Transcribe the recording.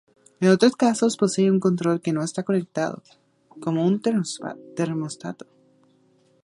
En otros casos posee un control que no está conectado, como un termostato.